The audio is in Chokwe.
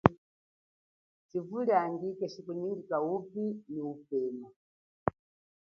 Tshivuliangi keshikunyika wupi nyi upeme.